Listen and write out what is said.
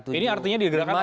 ini artinya digerakkan